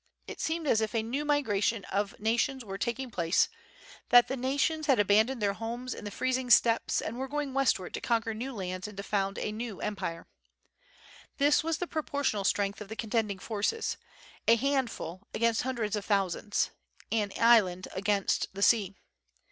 It seemed as if a new migration of nations were taking place, that the nations had abandoned their homes in the freezing steppes and were going westward to conquer new lands and to found a new empire. This was the proportional strength of the contending forces ... a handful against hundreds of thousands, an island against the sea.